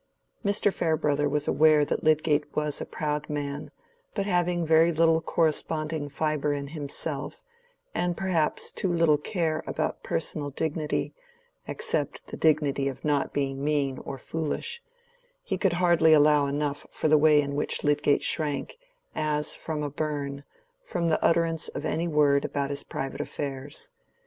Mr. Farebrother was aware that Lydgate was a proud man, but having very little corresponding fibre in himself, and perhaps too little care about personal dignity, except the dignity of not being mean or foolish, he could hardly allow enough for the way in which Lydgate shrank, as from a burn, from the utterance of any word about his private affairs.